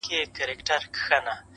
د دروازې پر سر یې ګل کرلي دینه،